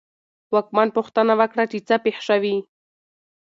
واکمن پوښتنه وکړه چې څه پېښ شوي.